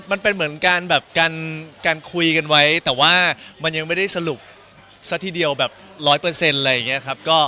มันเป็นเหมือนการแบบการคุยกันไว้แต่ว่ามันยังไม่ได้สรุปซะทีเดียวแบบร้อยเปอร์เซ็นต์อะไรอย่างนี้ครับ